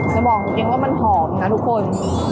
จะบอกเองว่ามันหอมนะทุกคน